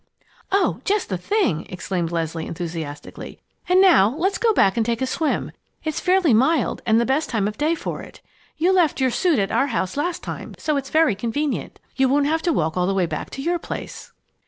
"Oh, just the thing!" exclaimed Leslie, enthusiastically. "And now let's go back and take a swim. It's fairly mild and the best time of day for it. You left your suit at our house last time, so it's very convenient. You won't have to walk all the way back to your place."